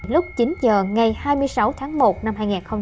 lúc chín h ngày hai mươi sáu tháng một năm hai nghìn một mươi hai